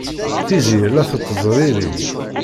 Tiziri la tettezriri.